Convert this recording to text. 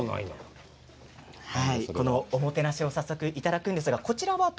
おもてなしを早速いただきます。